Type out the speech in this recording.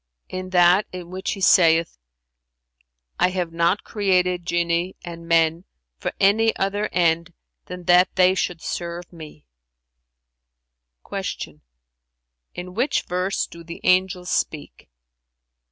"In that in which he saith, 'I have not created Genii and men for any other end than that they should serve me.'"[FN#360] Q "In which verse do the angels speak?"